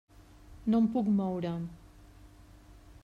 No em puc moure.